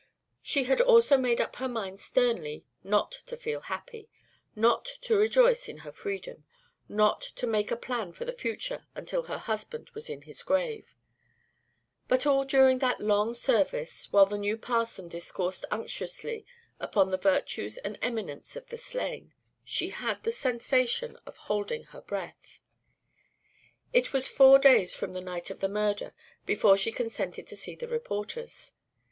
She had also made up her mind sternly not to feel happy, not to rejoice in her freedom, not to make a plan for the future until her husband was in his grave. But all during that long service, while the new parson discoursed unctuously upon the virtues and eminence of the slain, she had the sensation of holding her breath. It was four days from the night of the murder before she consented to see the reporters.